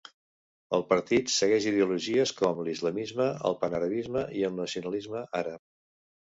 El partit segueix ideologies com l'islamisme, el panarabisme i el nacionalisme àrab.